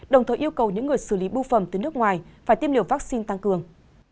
đồng thời yêu cầu những người xử lý bưu phẩm từ nước ngoài phải tiêm liều vaccine tăng cường